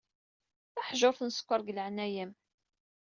Taḥjurt n sskeṛ, deg leɛnaya-m.